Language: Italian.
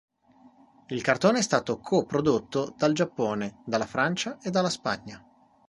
Il cartone è stato co-prodotto dal Giappone, dalla Francia e dalla Spagna.